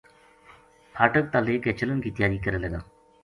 پھاٹک تا لے کے چلن کی تیاری کرے لگا